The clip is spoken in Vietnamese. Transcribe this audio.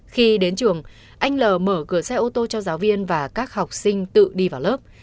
khi đến trường anh l mở cửa xe ô tô cho giáo viên và các học sinh tự đi vào lớp